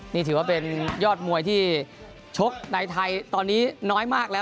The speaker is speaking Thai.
นี่ถือว่าเป็นยอดมวยที่ชกในไทยตอนนี้น้อยมากแล้ว